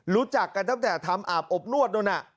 รู้จักกันตั้งแต่ทำอาบอบนวดนู่นน่ะ